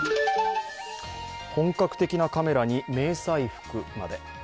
本格的なカメラに迷彩服まで。